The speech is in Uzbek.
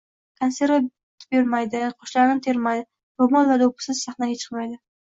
Konsert bermaydi, qoshlarini termaydi, ro‘mol va do‘ppisiz sahnaga chiqmaydi